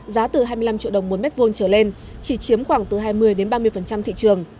giá từ hai mươi năm triệu đồng mỗi mét vuông trở lên chỉ chiếm khoảng từ hai mươi ba mươi thị trường